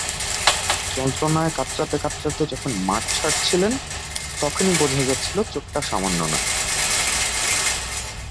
যন্ত্রণায় কাতরাতে কাতরাতে যখন মাঠ ছাড়ছিলেন, তখনই বোঝা যাচ্ছিল চোটটা সামান্য নয়।